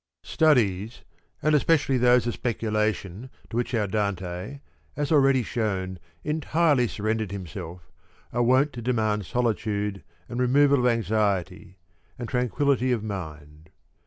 H STUDIES, and especially those of speculation, to which our Dante, as already shewn, entirely surren ^^dered himself, are wont to demand solitude and removal of anxiety, and tranquillity of mind.